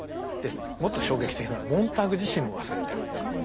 もっと衝撃的なのはモンターグ自身も忘れてるんですね。